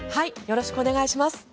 よろしくお願いします。